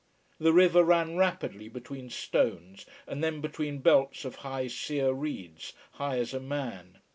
The river ran rapidly between stones and then between belts of high sere reeds, high as a man.